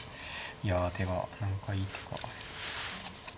いや手が何かいい手が。